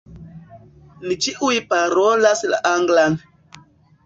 Ni ĉiuj parolas la anglan.